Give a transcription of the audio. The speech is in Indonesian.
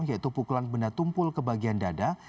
yaitu pukulan benda tumpul ke bagian dada